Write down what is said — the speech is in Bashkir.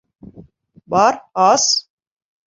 Бар, ас!